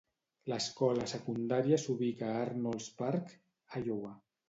L'escola secundària s'ubica a Arnolds Park, Iowa.